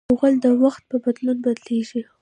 غول د وخت په بدلون بدلېږي.